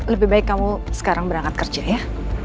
lebih baik kamu sekarang berangkat kerja ya